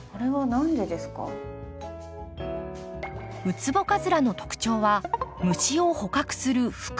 ウツボカズラの特徴は虫を捕獲する袋。